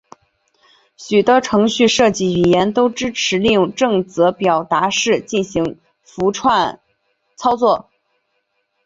许多程序设计语言都支持利用正则表达式进行字符串操作。